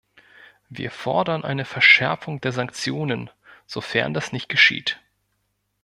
Wir fordern eine Verschärfung der Sanktionen, sofern das nicht geschieht.